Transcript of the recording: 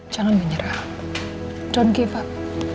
jangan menyerah jangan menyerah